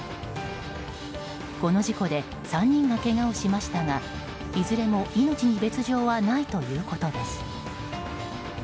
この事故で３人がけがをしましたがいずれも命に別条はないということです。